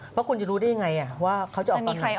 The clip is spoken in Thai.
เพราะคุณจะรู้ได้ยังไงว่าเขาจะออกตอนไหน